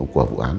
của vụ án